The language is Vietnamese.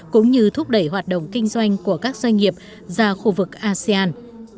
cũng như thúc đẩy hoạt động kinh doanh của các doanh nghiệp ra khu vực asean